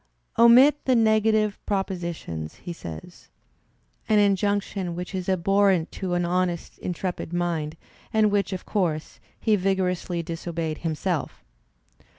"Omit the negative propositions," he says — an injunction which is abhorrent to an honesty intrepid mind, and which, of course, he vigorously disobeyed himself!